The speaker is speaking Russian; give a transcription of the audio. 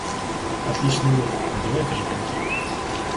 Отличный лед, надевайте же коньки.